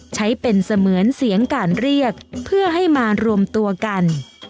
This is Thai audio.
ใช้เป็นเสมือนเสียงการเรียกเพื่อให้มารวมตัวกัน